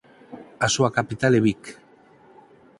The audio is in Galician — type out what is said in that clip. A súa capital é Vic.